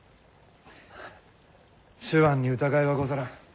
手腕に疑いはござらん。